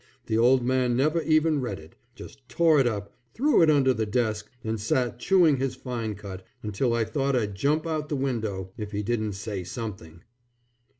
The old man never even read it. Just tore it up, threw it under the desk, and sat chewing his fine cut, until I thought I'd jump out the window if he didn't say something.